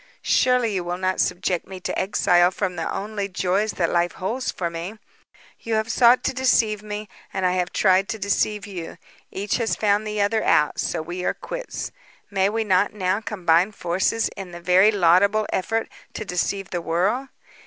Surely, you will not subject me to exile from the only joys that life holds for me. You have sought to deceive me, and I have tried to deceive you. Each has found the other out, so we are quits. May we not now combine forces in the very laudible effort to deceive the world?